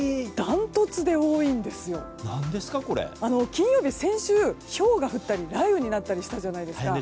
金曜日先週、ひょうが降ったり雷雨になったりしたじゃないですか。